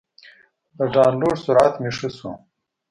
د ډاونلوډ سرعت مې ښه شو.